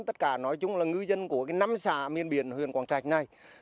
tất cả nói chung là ngư dân của năm xã miền biển huyện quảng trạch này